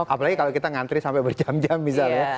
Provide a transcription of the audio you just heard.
apalagi kalau kita ngantri sampai berjam jam misalnya